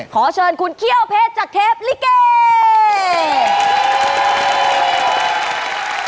ขอเชิญคุณเขี้ยวเพชรจากเทปลิเก